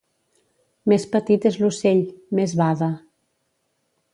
Més petit és l'ocell, més bada.